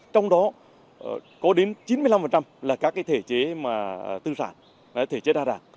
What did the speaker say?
trong đó có đến chín mươi năm là các thể chế tư sản thể chế đa đảng